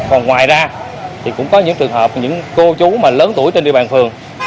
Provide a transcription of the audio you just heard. còn ngoài ra thì cũng có những trường hợp những cô chú mà lớn tuổi trên địa bàn phường